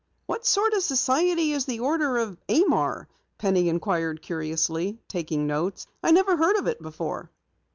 '" "What sort of society is the Order of Amar?" Penny inquired curiously, taking notes. "I never heard of it before."